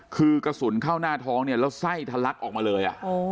คือกระสุนเข้าหน้าท้องเนี่ยแล้วไส้ทะลักออกมาเลย